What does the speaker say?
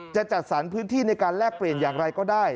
จะจัดสรรพื้นที่ในการแลกเปลี่ยนอย่างไรก็ได้